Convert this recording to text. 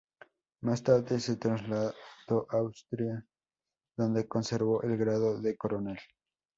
Más tarde se trasladó a Austria donde conservó el grado de coronel.